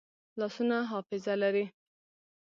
لاسونه حافظه لري